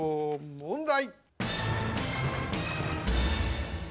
問題！